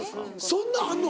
そんなんあんの？